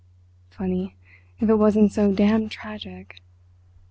Funny, if it wasn't so damned tragic!